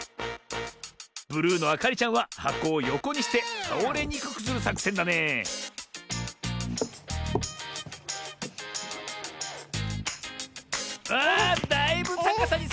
ブルーのあかりちゃんははこをよこにしてたおれにくくするさくせんだねあだいぶたかさにさがでてきたな。